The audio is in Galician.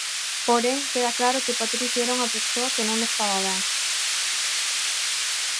Porén, queda claro que Patricia era unha persoa que non estaba ben.